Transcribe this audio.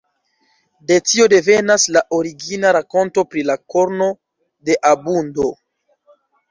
De tio devenas la origina rakonto pri la korno de abundo.